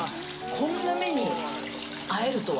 こんな目にあえるとは。